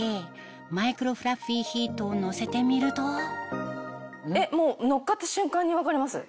マイクロフラッフィーヒートをのせてみるとえっもうのっかった瞬間に分かります。